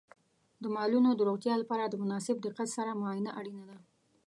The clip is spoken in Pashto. د مالونو د روغتیا لپاره د مناسب دقت سره معاینه اړینه ده.